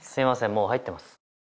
もう入ってます